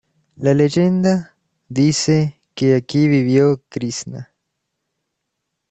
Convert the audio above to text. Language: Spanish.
La leyenda dice que aquí vivió Krisná.